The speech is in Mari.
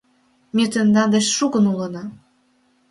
Ме тендан деч шукын улына!